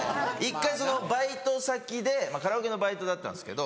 １回バイト先でカラオケのバイトだったんですけど。